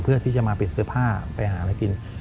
เพื่อที่จะมาเปลี่ยนเสื้อผ้าไปหาอะไรกิน